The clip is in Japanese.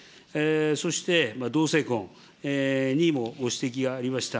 そして同性婚にもご指摘がありました。